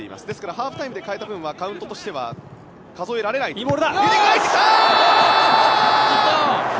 ですからハーフタイムで代えた分はカウントとしては数えられないと。